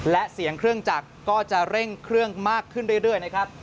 และเสียงเครื่องจักรก็จะเร่งเครื่องมากขึ้นเรื่อยนะครับ